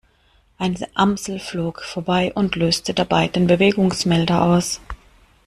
Eine Amsel flog vorbei und löste dabei den Bewegungsmelder aus.